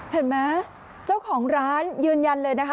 เห็นไหมเจ้าของร้านยืนยันเลยนะคะ